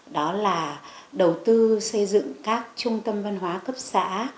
đó là đầu tư xây dựng các trung tâm văn hóa cấp xã